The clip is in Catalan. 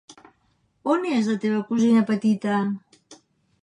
On és la teva cosina petita?